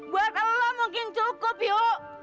buat kalau mungkin cukup yuk